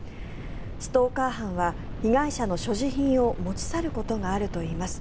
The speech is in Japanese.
ストーカー犯は被害者の所持品を持ち去ることがあるといいます。